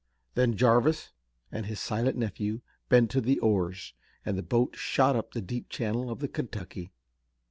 Then Jarvis and his silent nephew bent to the oars and the boat shot up the deep channel of the Kentucky.